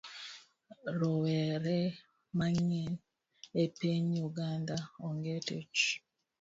Rowere mang'eny e piny Uganda onge tich